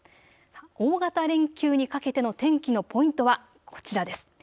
大型連休にかけての天気のポイントはこちらです。